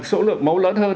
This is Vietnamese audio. số lượng mẫu lớn hơn